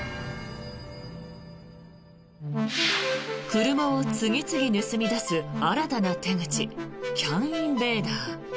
車を次々盗み出す、新たな手口ＣＡＮインベーダー。